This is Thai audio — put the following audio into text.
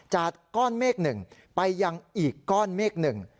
จากก้อนเมฆหนึ่งไปยังอีกก้อนเมฆหนึ่ง